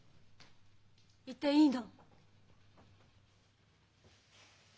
いていいの。